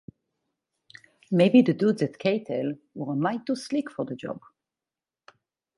Maybe the dudes at K-Tell were a mite too slick for the job.